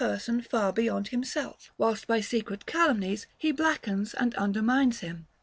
137 person far beyond himself, whilst by secret calumnies he blackens and undermines him.